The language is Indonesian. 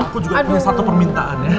aku juga punya satu permintaan ya